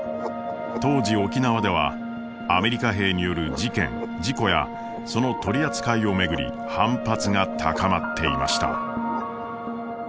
当時沖縄ではアメリカ兵による事件・事故やその取り扱いを巡り反発が高まっていました。